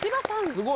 すごい。